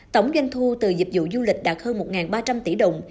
tổng doanh thu từ dịch vụ du lịch đạt hơn một ba trăm linh tỷ đồng